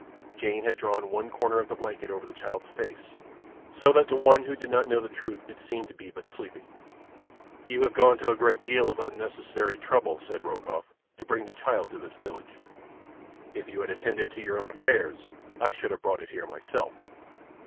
Jane had drawn one corner of the blanket over the child's face, so that to one who did not know the truth it seemed but to be sleeping. "You have gone to a great deal of unnecessary trouble," said Rokoff, "to bring the child to this village. If you had attended to your own affairs I should have brought it here myself.